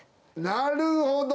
なるほど。